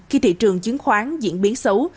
khi thị trường chứng khoán diễn biến xấu